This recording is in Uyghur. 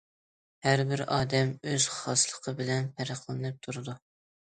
ھەر بىر ئادەم ئۆز خاسلىقى بىلەن پەرقلىنىپ تۇرىدۇ.